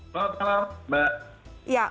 selamat malam mbak